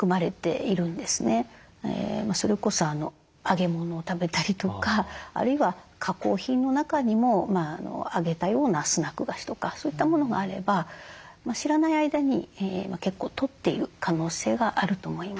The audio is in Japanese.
それこそ揚げ物を食べたりとかあるいは加工品の中にも揚げたようなスナック菓子とかそういったものがあれば知らない間に結構とっている可能性があると思います。